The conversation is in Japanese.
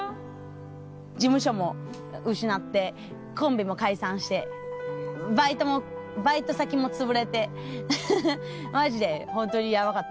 事務所も失ってコンビも解散してバイトもバイト先もつぶれてマジでホントにヤバかった。